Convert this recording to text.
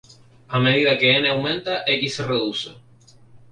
A medida que n aumenta, X se reduce.